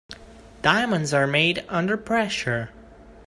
Diamonds are made under pressure.